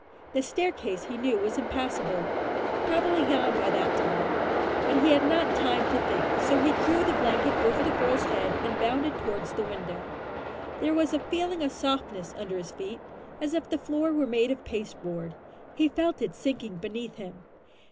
The staircase he knew was impassable; probably gone by that time; but he had not time to think, so he drew the blanket over the girl's head and bounded towards the window. There was a feeling of softness under his feet, as if the floor were made of pasteboard. He felt it sinking beneath him.